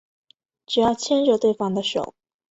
只要牵着对方的手